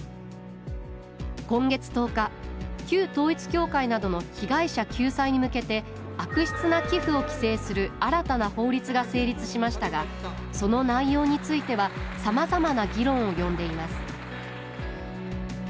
今月１０日旧統一教会などの被害者救済に向けて悪質な寄付を規制する新たな法律が成立しましたがその内容についてはさまざまな議論を呼んでいます